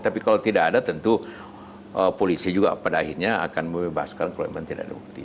tapi kalau tidak ada tentu polisi juga pada akhirnya akan membebaskan kewajiban tidak dibukti